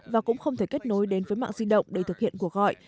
và cũng không thể kết nối đến với mạng di động để thực hiện cuộc gọi